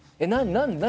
「何？